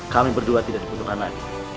kami berdua tidak dibutuhkan lagi